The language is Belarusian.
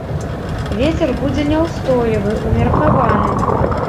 Вецер будзе няўстойлівы, умеркаваны.